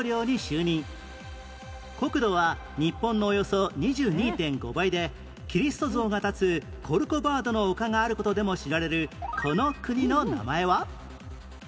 国土は日本のおよそ ２２．５ 倍でキリスト像が立つコルコバードの丘がある事でも知られるこの国の名前は？